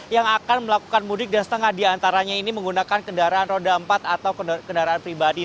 yang akan melakukan mudik dan setengah diantaranya ini menggunakan kendaraan roda empat atau kendaraan pribadi